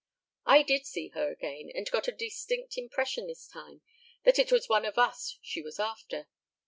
I did see her again, and got a distinct impression this time that it was one of us she was after.